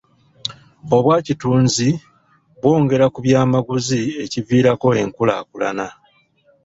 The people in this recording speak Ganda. Obwakitunzi bwongera ku byamaguzi ekiviirako enkulaakulana.